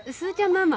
ママ。